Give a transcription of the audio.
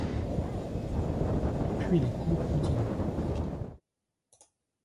Puis les cours continuent.